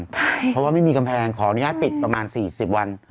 เพราะว่าไม่มีกำแพงขออนุญาตปิดประมาณ๔๐วัน